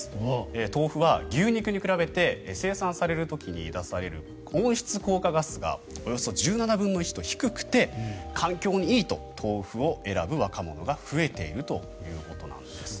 豆腐は牛肉に比べて生産される時に出される温室効果ガスがおよそ１７分の１と低くて環境にいいと豆腐を選ぶ若者が増えているということです。